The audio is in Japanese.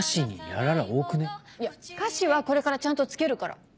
いや歌詞はこれからちゃんとつけるから。